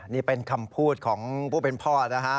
นี่เป็นคำพูดของผู้เป็นพ่อนะฮะ